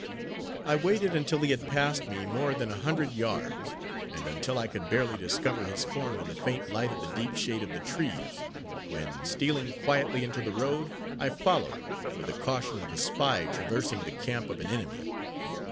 I waited until he had passed me more than a hundred yards, and until I could barely discover his form in the faint light of the deep shade of the trees, when stealing quietly into the road, I followed, with the caution of a spy traversing the camp of an enemy.